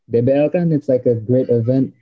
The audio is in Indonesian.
dan bbl kan itu event yang bagus